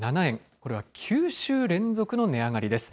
これは９週連続の値上がりです。